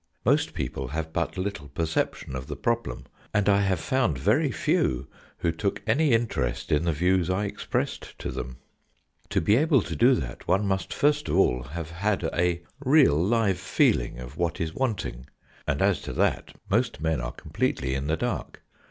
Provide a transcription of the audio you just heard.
Most people have but little perception of the problem, and I have found very few who took any interest in the views I expressed to them. To be able to do that one must first of all have had a real live feeling of what is wanting, and as to that most men are com pletely in the dark.